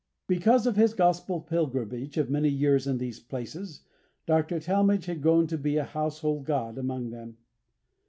Because of his Gospel pilgrimage of many years in these places, Dr. Talmage had grown to be a household god among them.